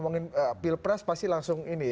kalau di pilpres pasti langsung ini ya